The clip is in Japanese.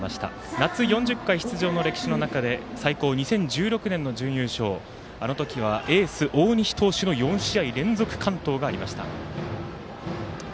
夏４０回出場の歴史の中であの時はエース、大西投手の４試合連続完投がありました。